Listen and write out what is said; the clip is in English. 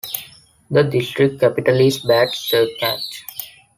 The district capital is Bad Zurzach.